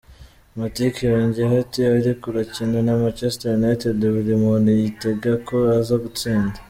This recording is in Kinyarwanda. Matic yongeyeko ati:"Uriko urakina na Manchester United, buri muntu yitega ko aza gutsinda.